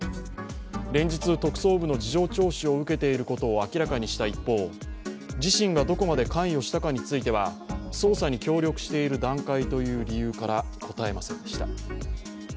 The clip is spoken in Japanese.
連日、特捜部の事情聴取を受けていることを明らかにした一方、自身がどこまで関与したかについては捜査に協力している段階という理由から答えませんでした。